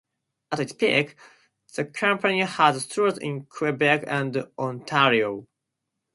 At its peak, the company had stores in Quebec and Ontario.